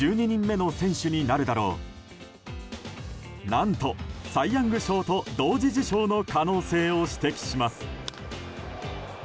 何と、サイ・ヤング賞と同時受賞の可能性を指摘します。